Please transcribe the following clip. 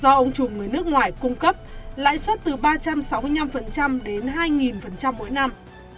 do ông chủ người nước ngoài cung cấp lãi suất từ ba trăm sáu mươi năm đến hai mỗi năm